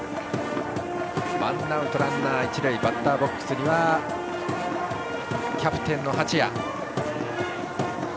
ワンアウトランナー、一塁バッターボックスにはキャプテンの八谷。